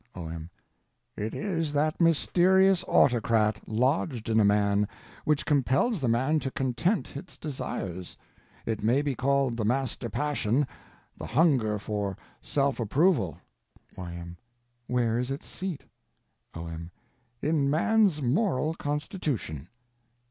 O.M. It is that mysterious autocrat, lodged in a man, which compels the man to content its desires. It may be called the Master Passion—the hunger for Self Approval. Y.M. Where is its seat? O.M. In man's moral constitution.